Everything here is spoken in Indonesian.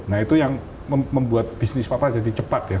nah itu yang membuat bisnis papa jadi cepat ya